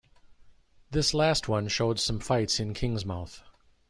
This last one showed some fights in Kingsmouth.